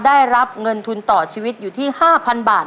ได้รับเงินทุนต่อชีวิตอยู่ที่๕๐๐บาท